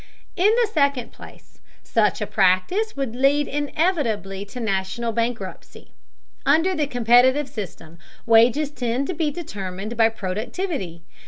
In the second place, such a practice would lead inevitably to national bankruptcy. Under the competitive system, wages tend to be determined by productivity.